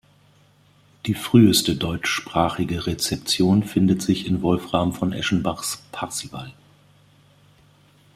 Die früheste deutschsprachige Rezeption findet sich in Wolfram von Eschenbachs „Parzival“.